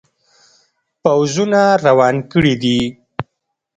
پوځونه روان کړي دي.